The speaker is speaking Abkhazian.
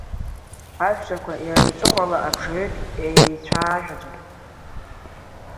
Аҳәсақәа иара иҵыхәала абжаҩык еицәаажәаӡом.